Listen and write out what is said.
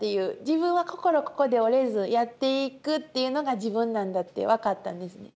自分は心ここで折れずやっていくっていうのが自分なんだって分かったんですね。